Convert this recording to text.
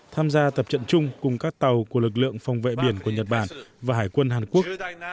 tham gia tập trận chung cùng các tàu của lực lượng phòng vệ biển của nhật bản và hải quân hàn quốc